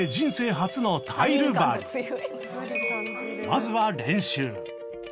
まずは練習